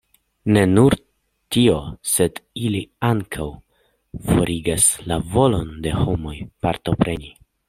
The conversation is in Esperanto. Ne nur tio, sed ili ankaŭ forigas la volon de homoj partopreni.